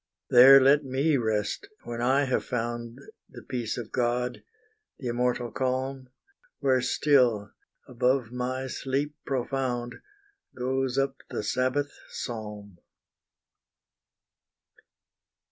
There let me rest, when I have found The peace of God, the immortal calm, Where still above my sleep profound, Goes up the Sabbath psalm.